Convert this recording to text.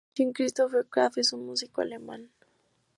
Jean-Christophe Krafft es un músico alemán.